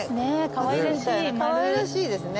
かわいらしいですね。